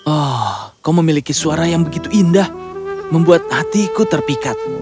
ah kau memiliki suara yang begitu indah membuat hatiku terpikat